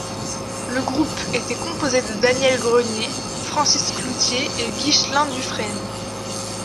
Le groupe était composé de Daniel Grenier, Francis Cloutier et Ghyslain Dufresne.